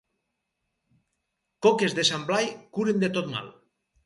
Coques de Sant Blai curen de tot mal.